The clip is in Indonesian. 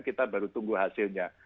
kita baru tunggu hasilnya